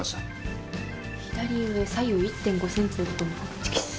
左上左右１．５センチの所にホチキス。